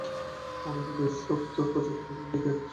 অনূদিত, স্বত্ব project syndicate.